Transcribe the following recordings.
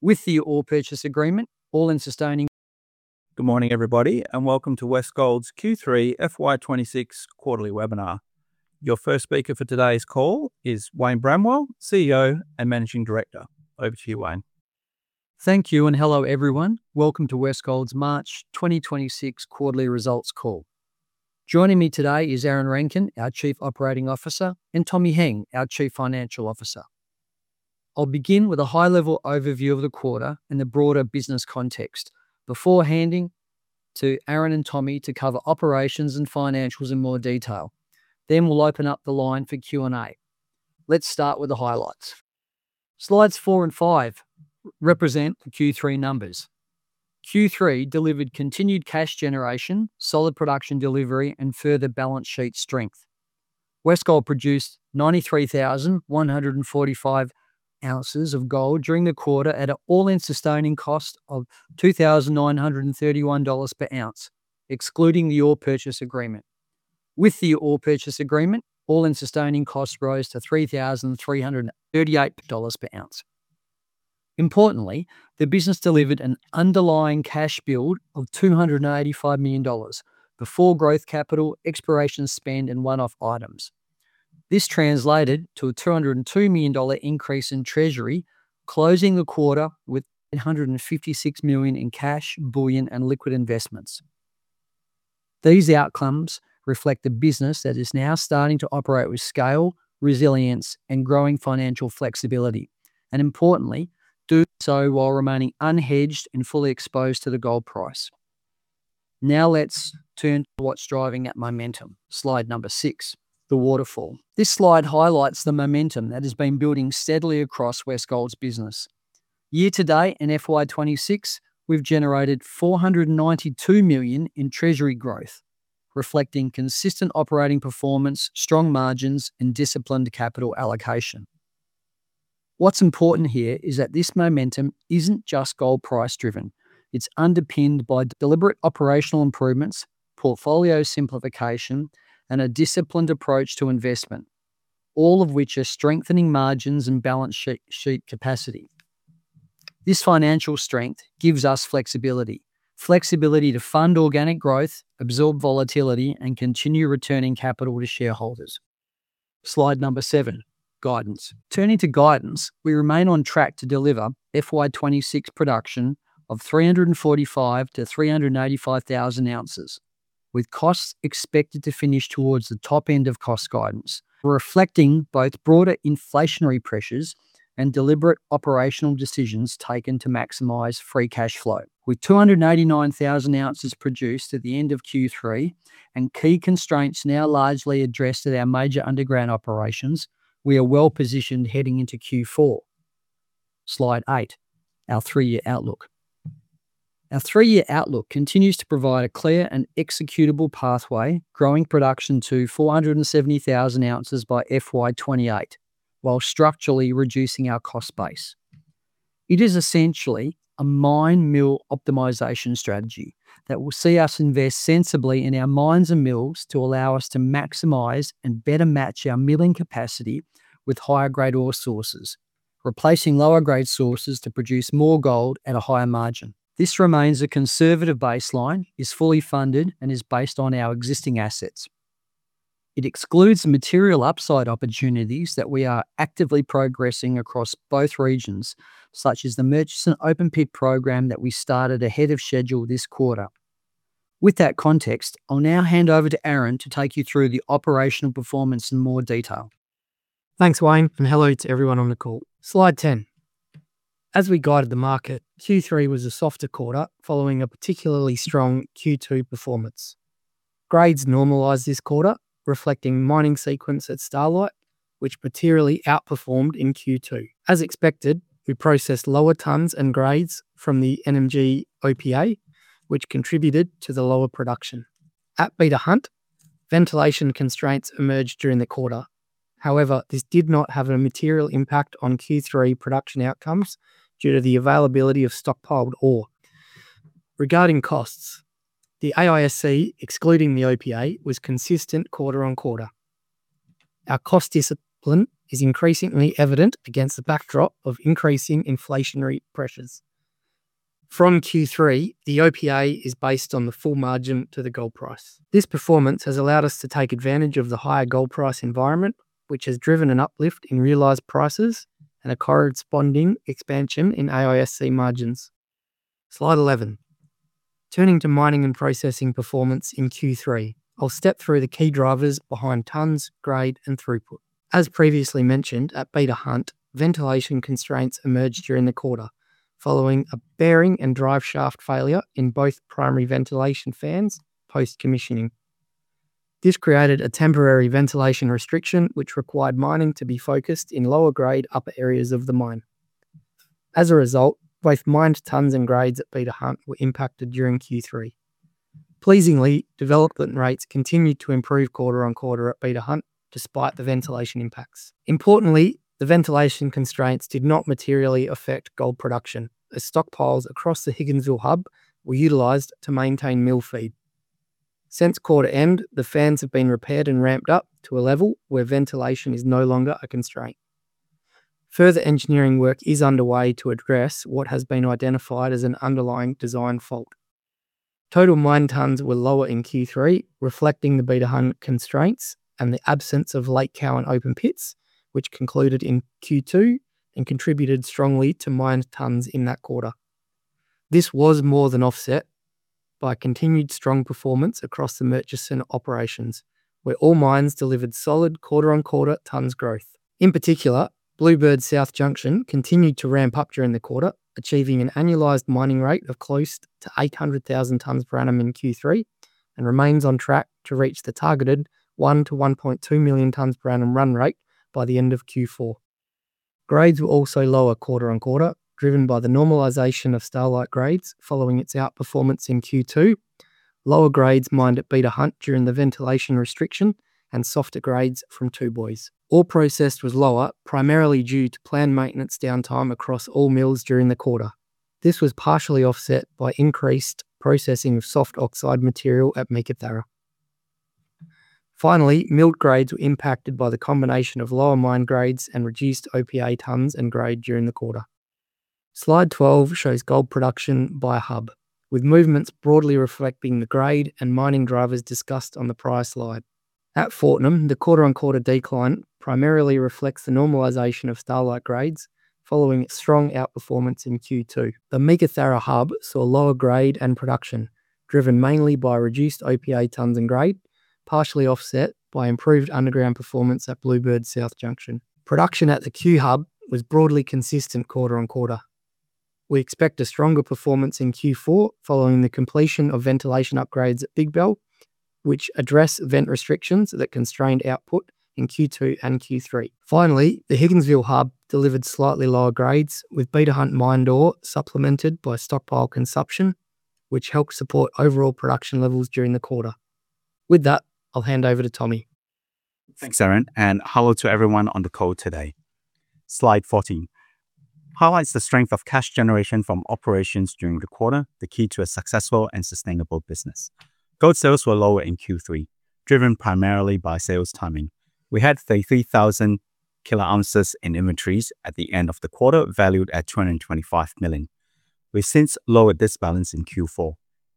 Good morning, everybody, welcome to Westgold's Q3 FY 2026 quarterly webinar. Your first speaker for today's call is Wayne Bramwell, CEO and Managing Director. Over to you, Wayne. Thank you and hello, everyone. Welcome to Westgold's March 2026 quarterly results call. Joining me today is Aaron Rankine, our Chief Operating Officer, and Tommy Heng, our Chief Financial Officer. I'll begin with a high-level overview of the quarter and the broader business context before handing to Aaron and Tommy to cover operations and financials in more detail. We'll open up the line for Q&A. Let's start with the highlights. Slides four and five represent the Q3 numbers. Q3 delivered continued cash generation, solid production delivery, and further balance sheet strength. Westgold produced 93,145 ounces of gold during the quarter at an all-in sustaining cost of 2,931 dollars per ounce, excluding the ore purchase agreement. With the ore purchase agreement, all-in sustaining costs rose to 3,338 dollars per ounce. Importantly, the business delivered an underlying cash build of 285 million dollars, before growth capital, exploration spend, and one-off items. This translated to a 202 million dollar increase in treasury, closing the quarter with 856 million in cash, bullion, and liquid investments. These outcomes reflect the business that is now starting to operate with scale, resilience, and growing financial flexibility, and importantly, doing so while remaining unhedged and fully exposed to the gold price. Let's turn to what's driving that momentum. Slide number six, The Waterfall. This slide highlights the momentum that has been building steadily across Westgold's business. Year to date in FY 2026, we've generated 492 million in treasury growth, reflecting consistent operating performance, strong margins, and disciplined capital allocation. What's important here is that this momentum isn't just gold price driven. It's underpinned by deliberate operational improvements, portfolio simplification, and a disciplined approach to investment, all of which are strengthening margins and balance sheet capacity. This financial strength gives us flexibility to fund organic growth, absorb volatility, and continue returning capital to shareholders. Slide number seven, Guidance. Turning to guidance, we remain on track to deliver FY 2026 production of 345,000 ounces-385,000 ounces, with costs expected to finish towards the top end of cost guidance. We're reflecting both broader inflationary pressures and deliberate operational decisions taken to maximize free cash flow. With 289,000 ounces produced at the end of Q3 and key constraints now largely addressed at our major underground operations, we are well-positioned heading into Q4. Slide eight, Our Three-Year Outlook. Our three-year outlook continues to provide a clear and executable pathway, growing production to 470,000 ounces by FY 2028, while structurally reducing our cost base. It is essentially a mine/mill optimization strategy that will see us invest sensibly in our mines and mills to allow us to maximize and better match our milling capacity with higher grade ore sources, replacing lower grade sources to produce more gold at a higher margin. This remains a conservative baseline, is fully funded, and is based on our existing assets. It excludes material upside opportunities that we are actively progressing across both regions, such as the Murchison open pit program that we started ahead of schedule this quarter. With that context, I'll now hand over to Aaron to take you through the operational performance in more detail. Thanks, Wayne. Hello to everyone on the call. Slide 10. As we guided the market, Q3 was a softer quarter following a particularly strong Q2 performance. Grades normalized this quarter, reflecting mining sequence at Starlight, which materially outperformed in Q2. As expected, we processed lower tons and grades from the NMG OPA, which contributed to the lower production. At Beta Hunt, ventilation constraints emerged during the quarter. This did not have a material impact on Q3 production outcomes due to the availability of stockpiled ore. Regarding costs, the AISC, excluding the OPA, was consistent quarter-on-quarter. Our cost discipline is increasingly evident against the backdrop of increasing inflationary pressures. From Q3, the OPA is based on the full margin to the gold price. This performance has allowed us to take advantage of the higher gold price environment, which has driven an uplift in realized prices and a corresponding expansion in AISC margins. Slide 11. Turning to mining and processing performance in Q3. I'll step through the key drivers behind tonnes, grade, and throughput. As previously mentioned, at Beta Hunt, ventilation constraints emerged during the quarter following a bearing and drive shaft failure in both primary ventilation fans post-commissioning. This created a temporary ventilation restriction, which required mining to be focused in lower grade upper areas of the mine. As a result, both mined tonnes and grades at Beta Hunt were impacted during Q3. Pleasingly, development rates continued to improve quarter-on-quarter at Beta Hunt despite the ventilation impacts. Importantly, the ventilation constraints did not materially affect gold production as stockpiles across the Higginsville Hub were utilized to maintain mill feed. Since quarter end, the fans have been repaired and ramped up to a level where ventilation is no longer a constraint. Further engineering work is underway to address what has been identified as an underlying design fault. Total mined tonnes were lower in Q3, reflecting the Beta Hunt constraints and the absence of Lake Cowan open pits, which concluded in Q2 and contributed strongly to mined tonnes in that quarter. This was more than offset by continued strong performance across the Murchison operations, where all mines delivered solid quarter-on-quarter tonnes growth. In particular, Bluebird South Junction continued to ramp up during the quarter, achieving an annualized mining rate of close to 800,000 tonnes per annum in Q3 and remains on track to reach the targeted 1 million-1.2 million tonnes per annum run rate by the end of Q4. Grades were also lower quarter-on-quarter, driven by the normalization of Starlight grades following its outperformance in Q2, lower grades mined at Beta Hunt during the ventilation restriction, and softer grades from Two Boys. Ore processed was lower, primarily due to planned maintenance downtime across all mills during the quarter. This was partially offset by increased processing of soft oxide material at Meekatharra. Finally, milled grades were impacted by the combination of lower mined grades and reduced OPA tonnes and grade during the quarter. Slide 12 shows gold production by hub, with movements broadly reflecting the grade and mining drivers discussed on the prior slide. At Fortnum, the quarter-on-quarter decline primarily reflects the normalization of Starlight grades following strong outperformance in Q2. The Meekatharra Hub saw lower grade and production, driven mainly by reduced OPA tonnes and grade, partially offset by improved underground performance at Bluebird South Junction. Production at the Cue Hub was broadly consistent quarter-on-quarter. We expect a stronger performance in Q4 following the completion of ventilation upgrades at Big Bell, which address vent restrictions that constrained output in Q2 and Q3. Finally, the Higginsville Hub delivered slightly lower grades with Beta Hunt mined ore supplemented by stockpile consumption, which helped support overall production levels during the quarter. With that, I'll hand over to Tommy. Thanks, Aaron, and hello to everyone on the call today. Slide 14 highlights the strength of cash generation from operations during the quarter, the key to a successful and sustainable business. Gold sales were lower in Q3, driven primarily by sales timing. We had 33,000 kilo ounces in inventories at the end of the quarter, valued at 225 million. We've since lowered this balance in Q4.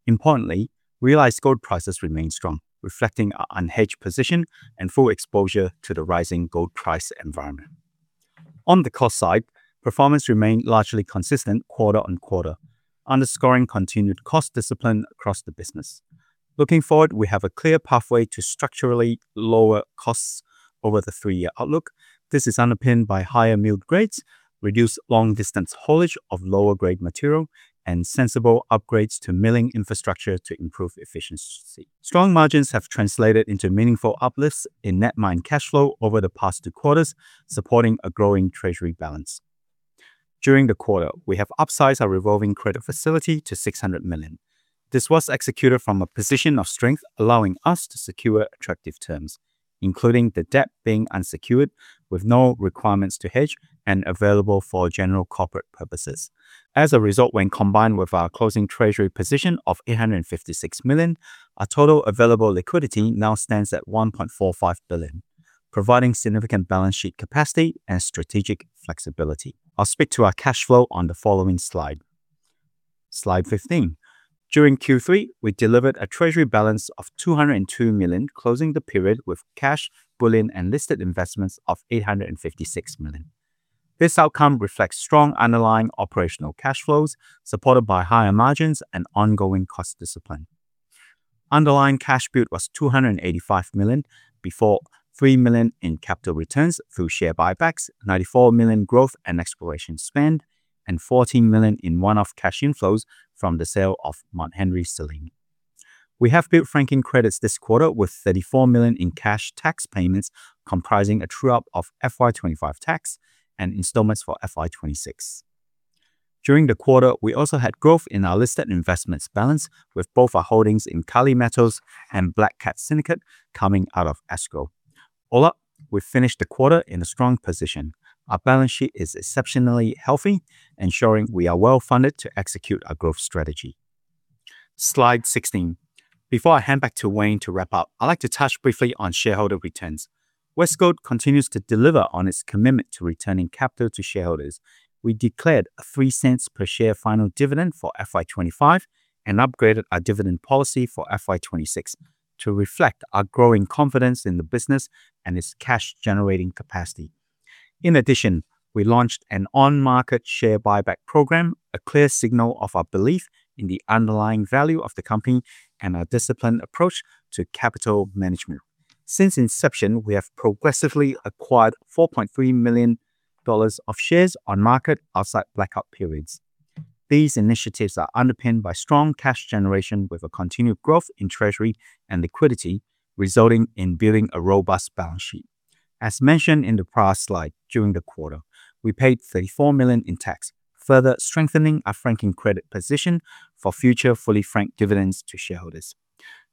Importantly, realized gold prices remain strong, reflecting our unhedged position and full exposure to the rising gold price environment. On the cost side, performance remained largely consistent quarter-on-quarter, underscoring continued cost discipline across the business. Looking forward, we have a clear pathway to structurally lower costs over the three-year outlook. This is underpinned by higher milled grades, reduced long-distance haulage of lower grade material, and sensible upgrades to milling infrastructure to improve efficiency. Strong margins have translated into meaningful uplifts in net mine cash flow over the past two quarters, supporting a growing treasury balance. During the quarter, we have upsized our revolving credit facility to 600 million. This was executed from a position of strength, allowing us to secure attractive terms, including the debt being unsecured with no requirements to hedge and available for general corporate purposes. When combined with our closing treasury position of 856 million, our total available liquidity now stands at 1.45 billion, providing significant balance sheet capacity and strategic flexibility. I'll speak to our cash flow on the following slide. Slide 15. During Q3, we delivered a treasury balance of 202 million, closing the period with cash bullion and listed investments of 856 million. This outcome reflects strong underlying operational cash flows, supported by higher margins and ongoing cost discipline. Underlying cash build was 285 million before 3 million in capital returns through share buybacks, 94 million growth and exploration spend, and 14 million in one-off cash inflows from the sale of Mt Henry-Selene. We have built franking credits this quarter with 34 million in cash tax payments, comprising a true-up of FY 2025 tax and installments for FY 2026. During the quarter, we also had growth in our listed investments balance with both our holdings in Kali Metals and Black Cat Syndicate coming out of escrow. All up, we finished the quarter in a strong position. Our balance sheet is exceptionally healthy, ensuring we are well-funded to execute our growth strategy. Slide 16. Before I hand back to Wayne to wrap up, I'd like to touch briefly on shareholder returns. Westgold Resources continues to deliver on its commitment to returning capital to shareholders. We declared a 0.03 per share final dividend for FY 2025 and upgraded our dividend policy for FY 2026 to reflect our growing confidence in the business and its cash-generating capacity. In addition, we launched an on-market share buyback program, a clear signal of our belief in the underlying value of the company and our disciplined approach to capital management. Since inception, we have progressively acquired 4.3 million dollars of shares on market outside blackout periods. These initiatives are underpinned by strong cash generation with a continued growth in treasury and liquidity, resulting in building a robust balance sheet. As mentioned in the prior slide, during the quarter, we paid 34 million in tax, further strengthening our franking credit position for future fully franked dividends to shareholders.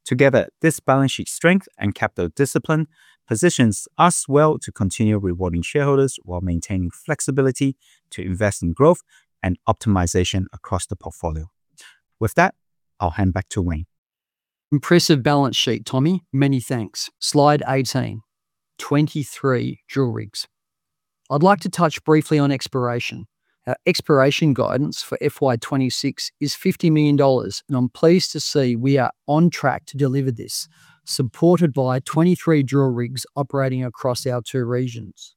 Together, this balance sheet strength and capital discipline positions us well to continue rewarding shareholders while maintaining flexibility to invest in growth and optimization across the portfolio. With that, I'll hand back to Wayne. Impressive balance sheet, Tommy. Many thanks. Slide 18, 23 drill rigs. I'd like to touch briefly on exploration. Our exploration guidance for FY 2026 is 50 million dollars. I'm pleased to see we are on track to deliver this, supported by 23 drill rigs operating across our two regions.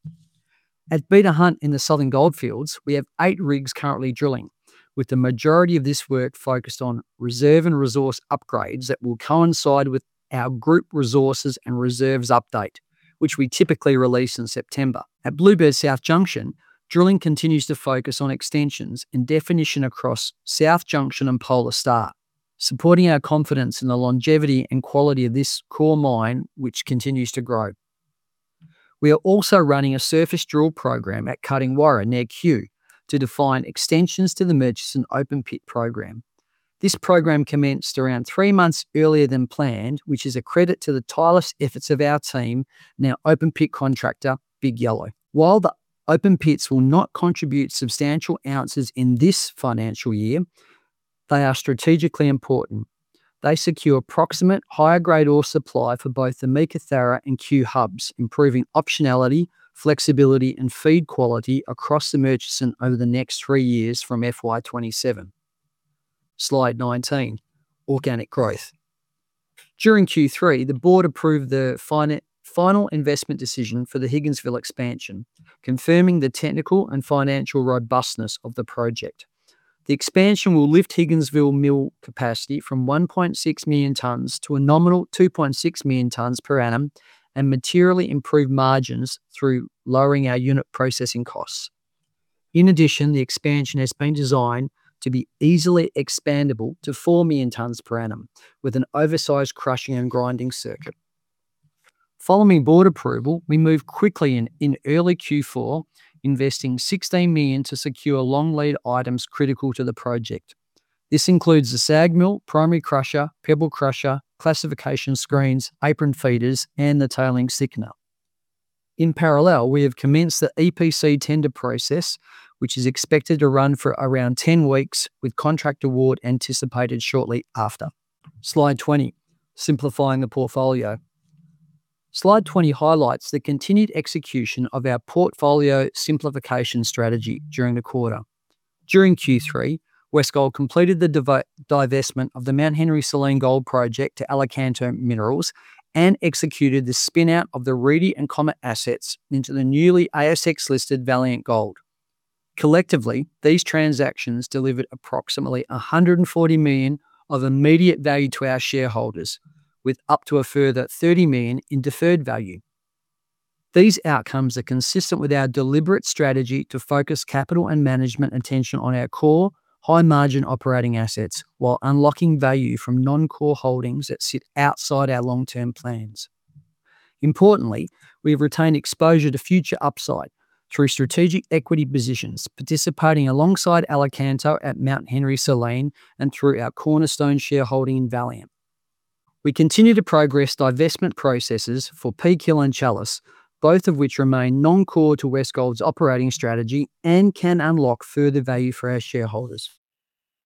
At Beta Hunt in the Southern Goldfields, we have eight rigs currently drilling, with the majority of this work focused on reserve and resource upgrades that will coincide with our group resources and reserves update, which we typically release in September. At Bluebird South Junction, drilling continues to focus on extensions and definition across South Junction and Polar Star, supporting our confidence in the longevity and quality of this core mine, which continues to grow. We are also running a surface drill program at Cuddingwarra near Cue to define extensions to the Murchison open pit program. This program commenced around three months earlier than planned, which is a credit to the tireless efforts of our team and our open pit contractor, Big Yellow. While the open pits will not contribute substantial ounces in this financial year, they are strategically important. They secure proximate higher-grade ore supply for both the Meekatharra and Cue hubs, improving optionality, flexibility, and feed quality across the Murchison over the next three years from FY 2027. Slide 19, organic growth. During Q3, the board approved the final investment decision for the Higginsville expansion, confirming the technical and financial robustness of the project. The expansion will lift Higginsville mill capacity from 1.6 million tons to a nominal 2.6 million tons per annum and materially improve margins through lowering our unit processing costs. In addition, the expansion has been designed to be easily expandable to 4 million tons per annum with an oversized crushing and grinding circuit. Following board approval, we moved quickly in early Q4, investing 16 million to secure long lead items critical to the project. This includes the SAG mill, primary crusher, pebble crusher, classification screens, apron feeders, and the tailings thickener. In parallel, we have commenced the EPC tender process, which is expected to run for around 10 weeks, with contract award anticipated shortly after. Slide 20. Simplifying the portfolio. Slide 20 highlights the continued execution of our portfolio simplification strategy during the quarter. During Q3, Westgold completed the divestment of the Mt Henry-Selene Gold Project to Alicanto Minerals and executed the spin-out of the Reedy and Comet assets into the newly ASX-listed Valiant Gold. Collectively, these transactions delivered approximately 140 million of immediate value to our shareholders, with up to a further 30 million in deferred value. These outcomes are consistent with our deliberate strategy to focus capital and management attention on our core high-margin operating assets while unlocking value from non-core holdings that sit outside our long-term plans. Importantly, we have retained exposure to future upside through strategic equity positions, participating alongside Alicanto at Mt Henry-Selene and through our cornerstone shareholding in Valiant. We continue to progress divestment processes for Peak Hill and Chalice, both of which remain non-core to Westgold's operating strategy and can unlock further value for our shareholders.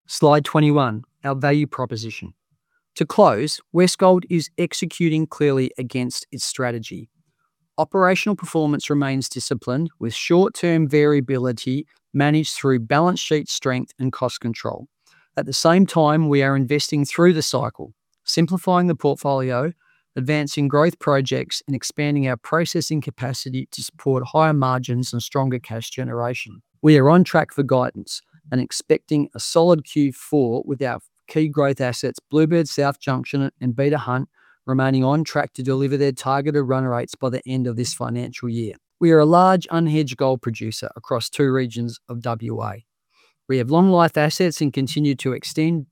Slide 21, our value proposition. To close, Westgold is executing clearly against its strategy. Operational performance remains disciplined, with short-term variability managed through balance sheet strength and cost control. At the same time, we are investing through the cycle, simplifying the portfolio, advancing growth projects, and expanding our processing capacity to support higher margins and stronger cash generation. We are on track for guidance and expecting a solid Q4 with our key growth assets, Bluebird South Junction and Beta Hunt, remaining on track to deliver their targeted run rates by the end of this financial year. We are a large unhedged gold producer across two regions of WA. We have long life assets and continue to extend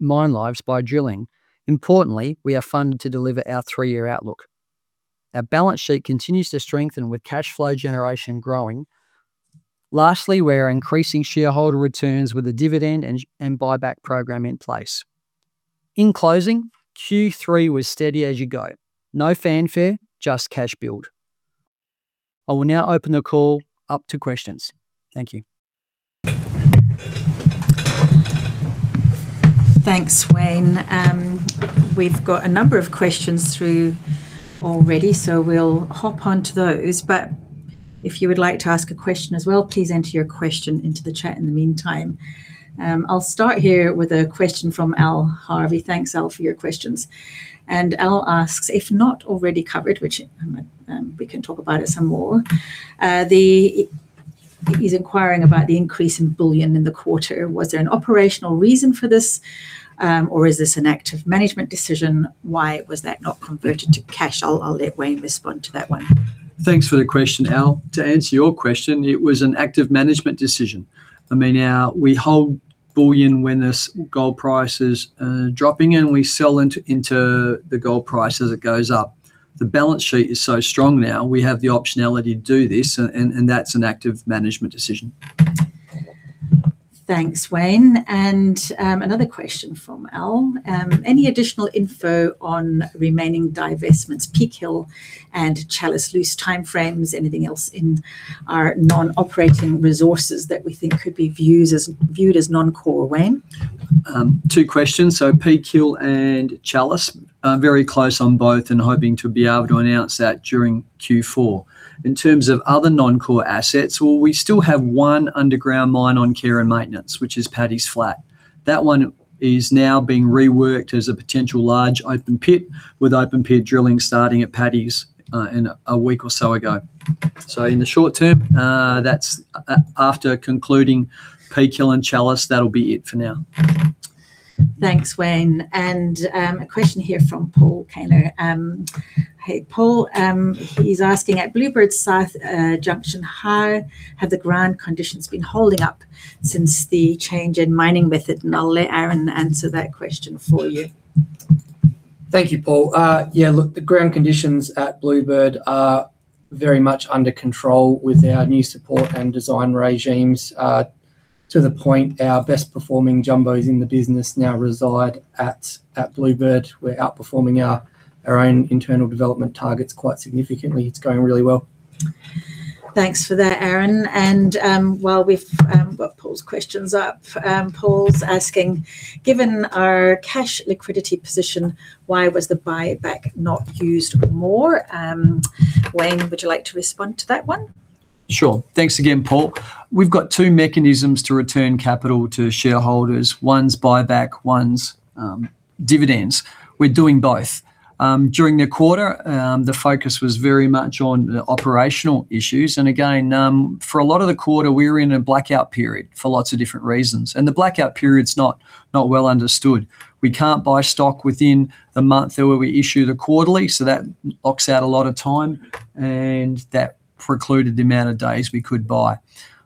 mine lives by drilling. Importantly, we are funded to deliver our three-year outlook. Our balance sheet continues to strengthen with cash flow generation growing. Lastly, we are increasing shareholder returns with a dividend and buyback program in place. In closing, Q3 was steady as you go. No fanfare, just cash build. I will now open the call up to questions. Thank you. Thanks, Wayne. We've got a number of questions through already, we'll hop onto those. If you would like to ask a question as well, please enter your question into the chat in the meantime. I'll start here with a question from Al Harvey. Thanks, Al, for your questions. Al asks, "If not already covered," which, we can talk about it some more, the He's inquiring about the increase in bullion in the quarter. Was there an operational reason for this, or is this an active management decision? Why was that not converted to cash? I'll let Wayne respond to that one. Thanks for the question, Al. To answer your question, it was an active management decision. I mean, We hold bullion when this gold price is dropping and we sell into the gold price as it goes up. The balance sheet is so strong now, we have the optionality to do this, and that's an active management decision. Thanks, Wayne. Another question from Al. Any additional info on remaining divestments, Peak Hill and Chalice loose timeframes, anything else in our non-operating resources that we think could be viewed as non-core, Wayne? Two questions. Peak Hill and Chalice. Very close on both and hoping to be able to announce that during Q4. In terms of other non-core assets, well, we still have one underground mine on care and maintenance, which is Paddy's Flat. That one is now being reworked as a potential large open pit with open pit drilling starting at Paddy's in a week or so ago. In the short term, that's after concluding Peak Hill and Chalice, that'll be it for now. Thanks, Wayne. A question here from Paul Taylor. Hey, Paul, he's asking at Bluebird South Junction, how have the ground conditions been holding up since the change in mining method? I'll let Aaron answer that question for you. Thank you, Paul. Yeah, look, the ground conditions at Bluebird are very much under control with our new support and design regimes. To the point our best performing jumbos in the business now reside at Bluebird. We're outperforming our own internal development targets quite significantly. It's going really well. Thanks for that, Aaron. While we've got Paul's questions up, Paul's asking, given our cash liquidity position, why was the buyback not used more? Wayne, would you like to respond to that one? Sure. Thanks again, Paul. We've got two mechanisms to return capital to shareholders. One's buyback, one's dividends. We're doing both. During the quarter, the focus was very much on the operational issues. Again, for a lot of the quarter, we were in a blackout period for lots of different reasons. The blackout period's not well understood. We can't buy stock within the month where we issue the quarterly, so that knocks out a lot of time, and that precluded the amount of days we could buy.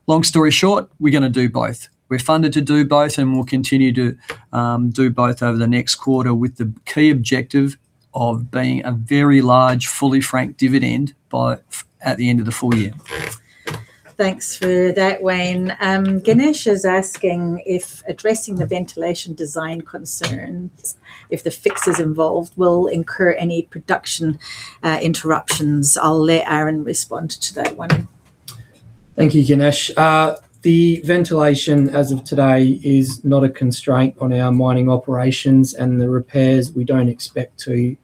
Long story short, we're gonna do both. We're funded to do both, and we'll continue to do both over the next quarter with the key objective of being a very large, fully franked dividend by, at the end of the full year. Thanks for that, Wayne. Ganesh is asking if addressing the ventilation design concerns, if the fixes involved will incur any production interruptions. I'll let Aaron respond to that one. Thank you, Ganesh. The ventilation as of today is not a constraint on our mining operations. The repairs, we don't expect to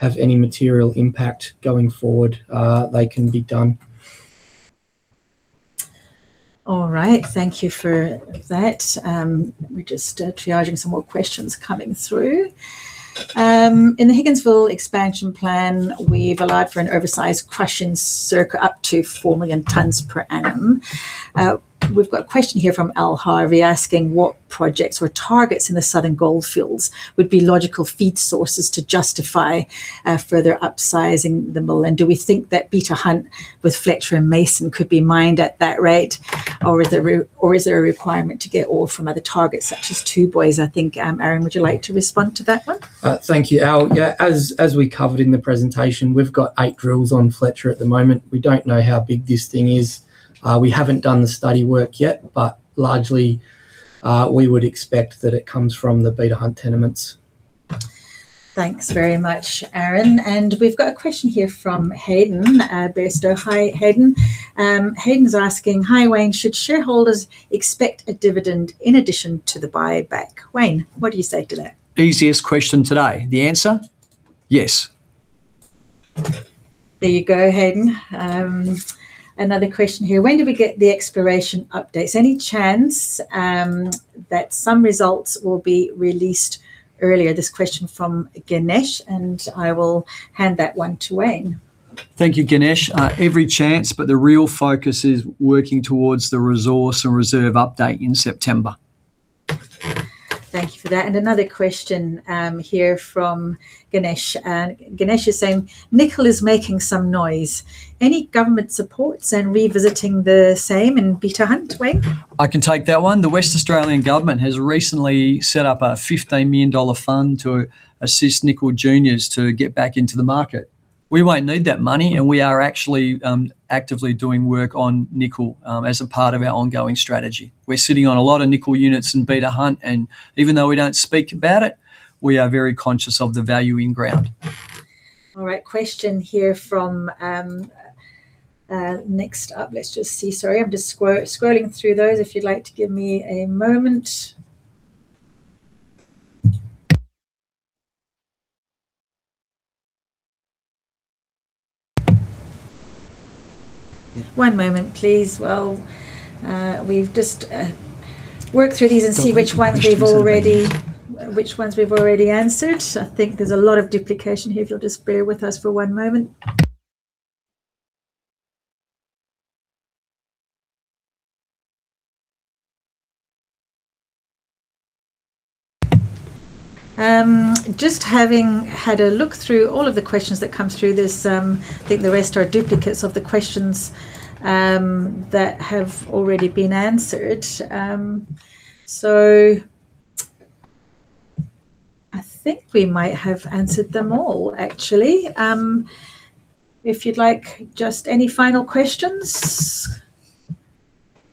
have any material impact going forward. They can be done. All right. Thank you for that. We're just triaging some more questions coming through. In the Higginsville expansion plan, we've allowed for an oversized crushing circuit up to 4 million tons per annum. We've got a question here from Al Harvey asking what projects or targets in the southern gold fields would be logical feed sources to justify further upsizing the mill? Do we think that Beta Hunt with Fletcher and Mason could be mined at that rate? Is there a requirement to get ore from other targets such as Two Boys, I think. Aaron, would you like to respond to that one? Thank you, Al. Yeah, as we covered in the presentation, we've got eight drills on Fletcher at the moment. We don't know how big this thing is. We haven't done the study work yet, but largely, we would expect that it comes from the Beta Hunt tenements. Thanks very much, Aaron. We've got a question here from Hayden Bairstow. Hi, Hayden. Hayden's asking, "Hi, Wayne. Should shareholders expect a dividend in addition to the buyback?" Wayne, what do you say to that? Easiest question today. The answer? Yes. There you go, Hayden. Another question here: "When do we get the exploration updates? Any chance that some results will be released earlier?" This question from Ganesh, and I will hand that one to Wayne. Thank you, Ganesh. every chance, but the real focus is working towards the resource and reserve update in September. Thank you for that. Another question, here from Ganesh. Ganesh is saying, "Nickel is making some noise. Any government supports and revisiting the same in Beta Hunt, Wayne? I can take that one. The West Australian Government has recently set up an 50 million dollar fund to assist nickel juniors to get back into the market. We won't need that money. We are actually actively doing work on nickel as a part of our ongoing strategy. We're sitting on a lot of nickel units in Beta Hunt. Even though we don't speak about it, we are very conscious of the value in ground. All right. Question here from, next up. Let's just see. Sorry, I'm just scrolling through those. If you'd like to give me a moment. One moment, please, while we've just work through these and see which ones we've already- Double check the questions. Which ones we've already answered. I think there's a lot of duplication here. If you'll just bear with us for one moment. just having had a look through all of the questions that come through, there's, I think the rest are duplicates of the questions, that have already been answered. I think we might have answered them all, actually. if you'd like, just any final questions,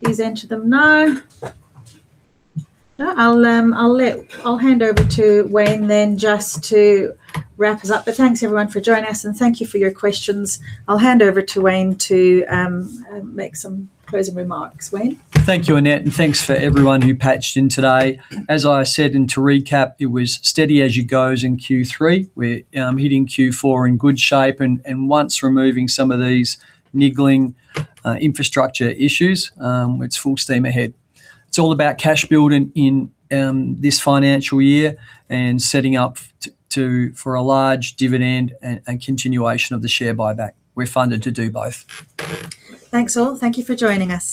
please enter them now. No? I'll let, I'll hand over to Wayne then just to wrap us up. Thanks everyone for joining us, and thank you for your questions. I'll hand over to Wayne to, make some closing remarks. Wayne? Thank you, Annette, and thanks for everyone who patched in today. As I said, and to recap, it was steady as you go's in Q3. We're hitting Q4 in good shape, and once removing some of these niggling infrastructure issues, it's full steam ahead. It's all about cash building in this financial year and setting up to, for a large dividend and continuation of the share buyback. We're funded to do both. Thanks, all. Thank you for joining us.